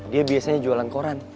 dia biasanya jualan koran